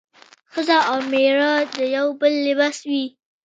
ښځه او مېړه د يو بل لباس وي